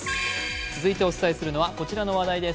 続いてお伝えするのはこちらの話題です。